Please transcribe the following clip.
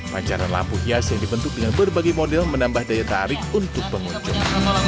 pancaran lampu hias yang dibentuk dengan berbagai model menambah daya tarik untuk pengunjung